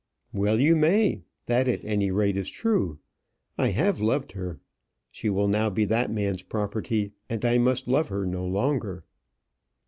"Well, you may; that at any rate is true. I have loved her. She will now be that man's property, and I must love her no longer."